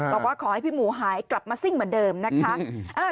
บอกว่าขอให้พี่หมูหายกลับมาซิ่งเหมือนเดิมนะคะ